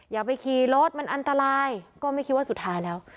อย่าไปขี่รถมันอันตรายก็ไม่คิดว่าสุดท้ายแล้ว